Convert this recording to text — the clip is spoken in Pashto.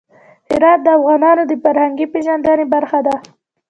هرات د افغانانو د فرهنګي پیژندنې برخه ده.